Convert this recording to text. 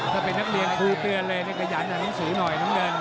ก็เป็นนักเรียนครูเตือนเลยให้กระหยันหนังสือหน่อยน้ำเงิน